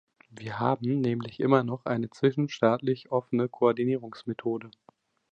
Wir haben nämlich immer noch eine zwischenstaatliche offene Koordinierungsmethode.